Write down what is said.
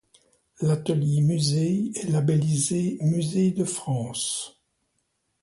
L'Atelier-Musée est labellisé Musée de France.